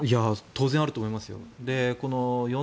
当然あると思いますよ。